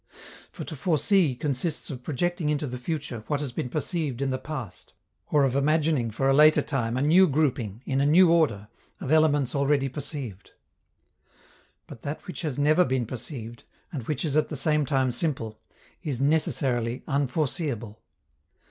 For to foresee consists of projecting into the future what has been perceived in the past, or of imagining for a later time a new grouping, in a new order, of elements already perceived. But that which has never been perceived, and which is at the same time simple, is necessarily unforeseeable.